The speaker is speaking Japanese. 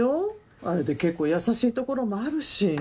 あれで結構優しいところもあるし。